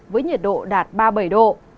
với nhiệt độ đạt ba mươi bảy độ